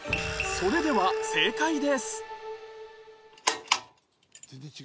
それでは正解です